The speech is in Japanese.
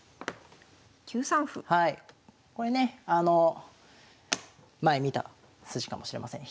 これね前見た筋かもしれません。